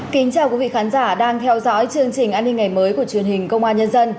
kính chào quý vị khán giả đang theo dõi chương trình an ninh ngày mới của truyền hình công an nhân dân